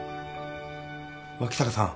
・脇坂さん。